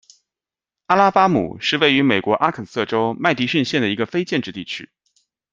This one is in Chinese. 阿拉巴姆是位于美国阿肯色州麦迪逊县的一个非建制地区。